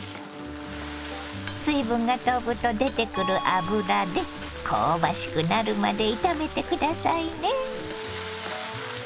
水分が飛ぶと出てくる脂で香ばしくなるまで炒めて下さいね。